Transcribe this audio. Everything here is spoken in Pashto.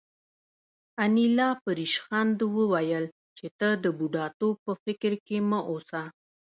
انیلا په ریشخند وویل چې ته د بوډاتوب په فکر کې مه اوسه